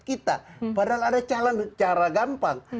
kita padahal ada cara gampang